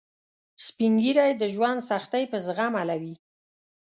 سپین ږیری د ژوند سختۍ په زغم حلوي